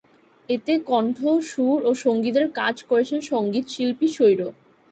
এতে কন্ঠ, সুর ও সংগীতের কাজ করেছেন সংগীতশিল্পী সৌর।